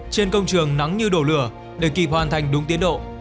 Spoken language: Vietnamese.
trên công trường nắng như đổ lửa để kịp hoàn thành đúng tiến độ